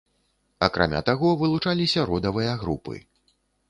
Акрамя таго, вылучаліся родавыя групы.